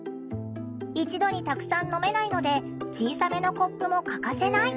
一度にたくさん飲めないので小さめのコップも欠かせない。